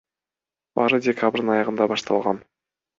Баары декабрдын аягында башталган.